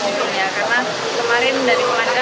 karena kemarin dari pelanggar